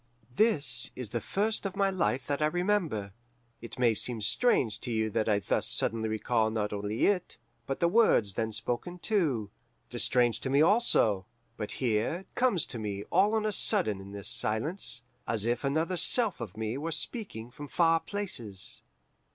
"This is the first of my life that I remember. It may seem strange to you that I thus suddenly recall not only it, but the words then spoken too. It is strange to me, also. But here it comes to me all on a sudden in this silence, as if another self of me were speaking from far places.